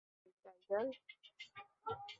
হেই, tiger.